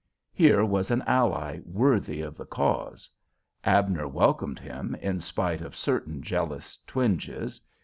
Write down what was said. Here was an ally worthy of the cause. Abner welcomed him, in spite of certain jealous twinges.